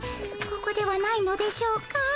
ここではないのでしょうか？